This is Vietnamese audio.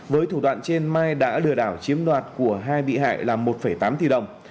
với thủ đoạn trên mai đã lừa đảo chiếm đoạt của hai bị hại là một tám tỷ đồng